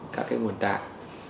các nguồn tạng